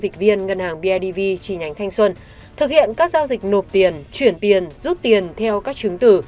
dịch viên ngân hàng bidv chi nhánh thanh xuân thực hiện các giao dịch nộp tiền chuyển tiền rút tiền theo các chứng tử